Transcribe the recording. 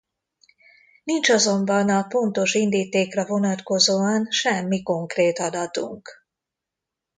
Nincs azonban a pontos indítékra vonatkozóan semmi konkrét adatunk.